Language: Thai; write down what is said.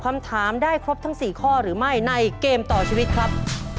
อยากฟังเรื่องอะไรครับ